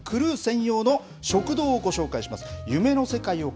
そこで働くクルー専用の食堂をご紹介します。